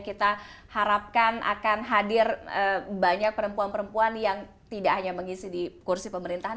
kita harapkan akan hadir banyak perempuan perempuan yang tidak hanya mengisi di kursi pemerintahan